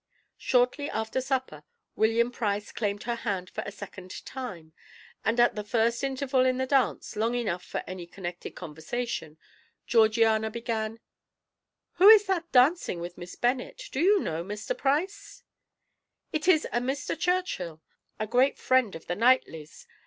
Shortly after supper, William Price claimed her hand for a second time; and at the first interval in the dance long enough for any connected conversation, Georgiana began: "Who is that dancing with Miss Bennet? Do you know, Mr. Price?" "It is a Mr. Churchill, a great friend of the Knightleys.